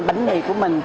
bánh mì của mình